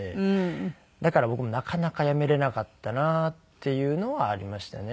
だから僕もなかなか辞めれなかったなっていうのはありましたね。